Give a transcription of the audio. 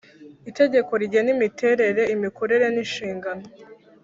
Itegeko rigena imiterere, imikorere n’inshingano